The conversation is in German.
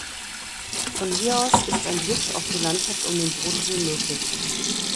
Von hier aus ist ein Blick auf die Landschaft um den Bodensee möglich.